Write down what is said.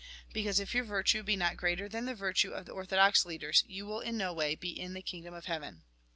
Because if your virtue be not greater than the virtue of the orthodox leaders, you will in no way be in the kingdom of heaven.